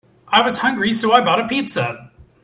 I was hungry, so I bought a pizza.